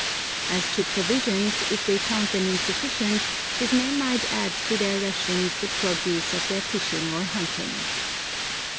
As to provisions, if they found them insufficient, his men might add to their rations the produce of their fishing or hunting.